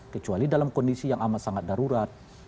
kecuali dalam kondisi yang amat sangat darurat